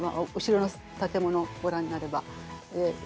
後ろの建物をご覧になれば。